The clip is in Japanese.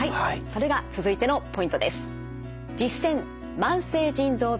それが続いてのポイントです。